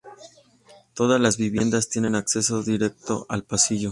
Todas las viviendas tienen acceso directo al pasillo.